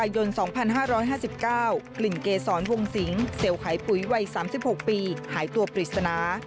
เดี๋ยวไข้ปุ๋ยวัย๓๖ปีหายตัวปริศนา